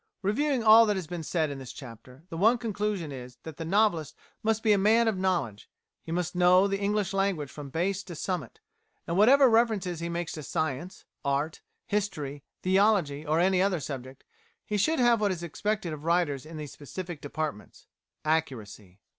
Reviewing all that has been said in this chapter, the one conclusion is that the novelist must be a man of knowledge; he must know the English language from base to summit; and whatever references he makes to science, art, history, theology, or any other subject, he should have what is expected of writers in these specific departments accuracy.